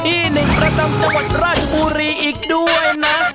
ที่หนึ่งประจำจังหวัดราชบุรีอีกด้วยนะ